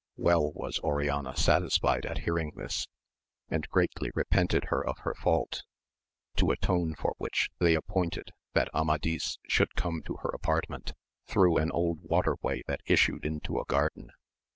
Well was Oriana satisfied at hearing this, and greatly repented her of her fault, to atone for which they appointed that ATnAl^^ft should come to her apartment, through an old 72 A MA LIS OF GAUL. water way that issued into a garden.